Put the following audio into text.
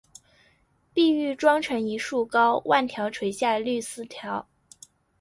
碧玉妆成一树高，万条垂下绿丝绦